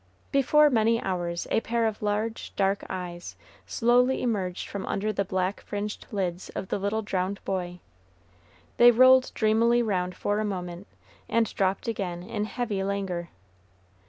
Before many hours a pair of large, dark eyes slowly emerged from under the black fringed lids of the little drowned boy, they rolled dreamily round for a moment, and dropped again in heavy languor.